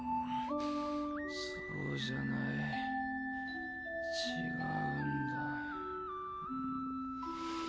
そうじゃない違うんだ。